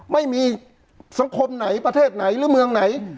ไม่มีสังคมไหนประเทศไหนหรือเมืองไหน